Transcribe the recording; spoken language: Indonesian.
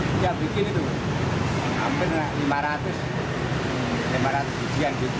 kita bikin itu hampir lima ratus izin gitu